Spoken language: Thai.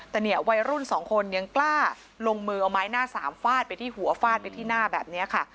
แต่เนี่ยวัยรุ่นสองคนยังกล้าลงมือเอาไม้หน้าสามฟาดไปที่หัวฟาดไปที่หน้าแบบนี้ค่ะ